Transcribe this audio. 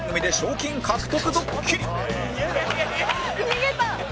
逃げた！